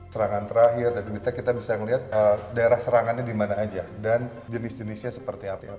serangan terakhir dan kita bisa melihat daerah serangannya di mana aja dan jenis jenisnya seperti apa